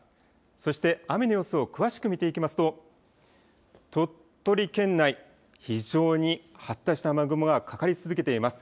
そして、雨の様子を詳しく見ていきますと、鳥取県内、非常に発達した雨雲がかかり続けています。